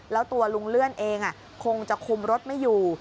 แล้วตัวลุงเลื่อนเองคงจะคุมรถไม่อยู่